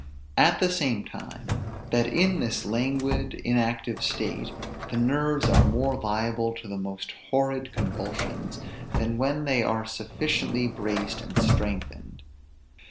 At the same time, that in this languid in active state, the nerves are more liable to the most horrid convulsions, than when they are sufficiently braced and strengthened.